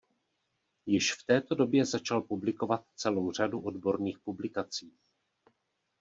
Již v této době začal publikovat celou řadu odborných publikací.